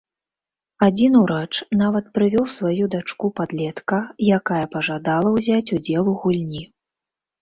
Адзін урач нават прывёў сваю дачку-падлетка, якая пажадала ўзяць удзел у гульні.